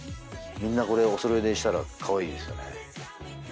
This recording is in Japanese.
みんなこれおそろいにしたらかわいいですよね。